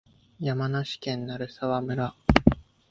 山梨県鳴沢村